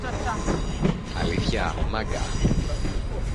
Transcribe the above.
Αλήθεια, Μάγκα;